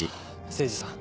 誠司さん。